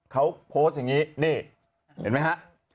เขาโพสต์อย่างนี้นี่เห็นไหมฮะ